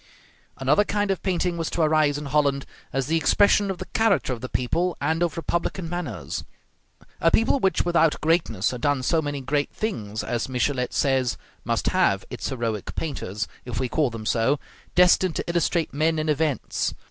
Another kind of painting was to arise in Holland, as the expression of the character of the people and of republican manners. A people which without greatness had done so many great things, as Michelet says, must have its heroic painters, if we call them so, destined to illustrate men and events.